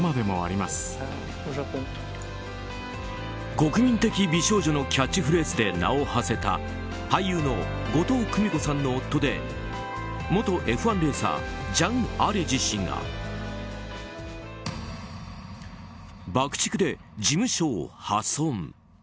国民的美少女のキャッチフレーズで名を馳せた俳優の後藤久美子さんの夫で元Ｆ１レーサージャン・アレジ氏が爆竹で事務所を破損。